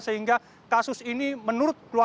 sehingga kasus ini tidak cukup profesional